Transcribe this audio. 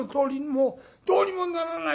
もうどうにもならないの。